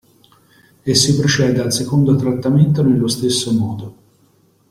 E si procede al secondo trattamento nello stesso modo.